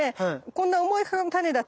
こんな重い種だとさ